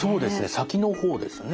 先の方ですね。